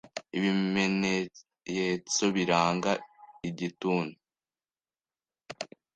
Ibimeneyetso biranga igituntu